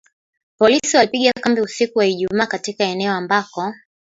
Polisi walipiga kambi usiku wa Ijumaa katika eneo ambako